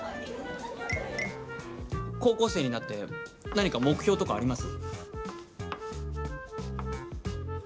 高校生になって何か目標とかあります？